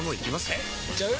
えいっちゃう？